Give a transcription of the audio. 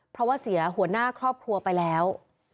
เพราะว่าเสียหัวหน้าครอบครัวไปแล้ว